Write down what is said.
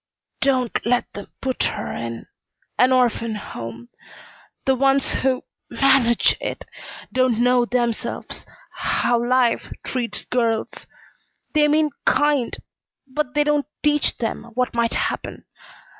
"Don't let them put her in an orphan home. The ones who manage it don't know themselves how life treats girls. They mean kind but they don't teach them what might happen.